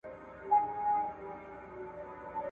چي د «مېک ډوګل» په وینا